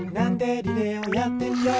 リレーをやってみよう」